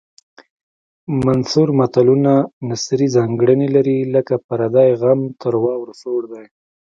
منثور متلونه نثري ځانګړنې لري لکه پردی غم تر واورو سوړ دی